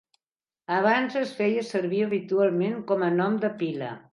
Abans, es feia servir habitualment com a nom de pila.